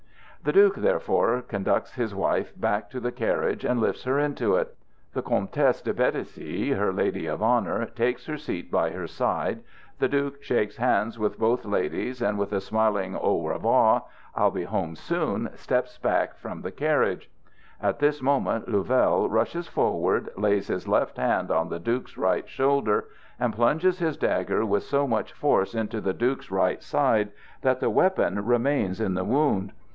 The Duke therefore conducts his wife back to the carriage and lifts her into it; the Comtesse de Bétysi, her lady of honor, takes her seat by her side; the duke shakes hands with both ladies and with a smiling "au revoir, I'll be home soon," steps back from the carriage. At this moment Louvel rushes forward, lays his left hand on the duke's right shoulder and plunges his dagger with so much force into the Duke's right side that the weapon remains in the wound.